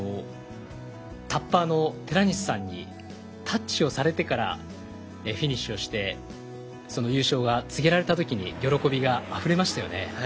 タッパーの寺西さんにタッチをされてからフィニッシュをして優勝が告げられたときに喜びが。